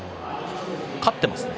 勝っていますね。